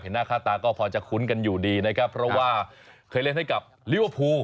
หน้าค่าตาก็พอจะคุ้นกันอยู่ดีนะครับเพราะว่าเคยเล่นให้กับลิเวอร์พูล